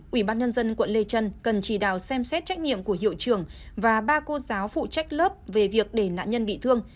ubnd quận lê trần cần chỉ đạo xem xét trách nhiệm của hiệu trường và ba cô giáo phụ trách lớp về việc để nạn nhân bị thương